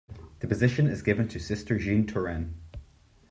The position is given to Sister Jeanne Turenne.